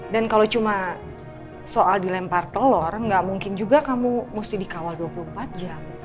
dan kalau cuma soal dilempar telor gak mungkin juga kamu mesti dikawal dua puluh empat jam